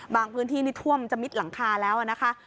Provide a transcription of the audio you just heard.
พื้นที่นี่ท่วมจะมิดหลังคาแล้วนะคะ